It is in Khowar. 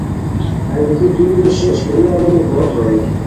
انگیتی دوری نیشئے اشپریری ارینی بوت ہوئے